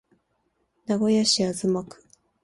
名古屋市東区